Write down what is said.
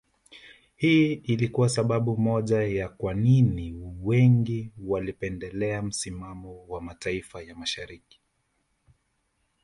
Hii ilikuwa sababu moja ya kwa nini wengi walipendelea misimamo wa mataifa ya Mashariki